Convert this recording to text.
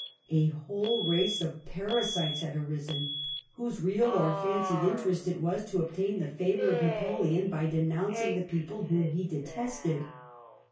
A whole race of parasites had arisen, whose real or fancied interest it was to obtain the favor of Napoleon by denouncing the people whom he detested.